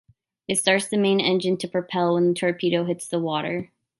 It starts the main engine to propel when the torpedo hits the water.